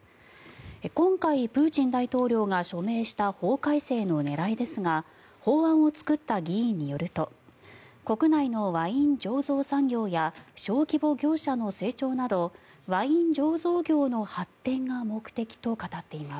今回、プーチン大統領が署名した法改正の狙いですが法案を作った議員によると国内のワイン醸造産業や小規模業者の成長などワイン醸造業の発展が目的と語っています。